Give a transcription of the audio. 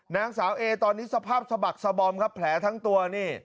นางสาวเอตอนนี้สภาพสะบักสะบอมครับแผลทั้งตัวนี่